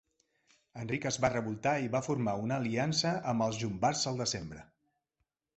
Enric es va revoltar i va formar una aliança amb els llombards el desembre.